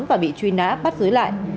hà đã bị truy nã bắt dưới lại